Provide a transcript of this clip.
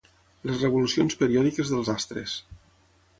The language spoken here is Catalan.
Les revolucions periòdiques dels astres.